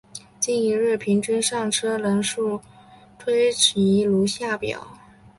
近年一日平均上车人次推移如下表。